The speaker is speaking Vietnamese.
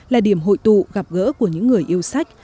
là điểm hội tụ gặp gỡ của những người yêu sách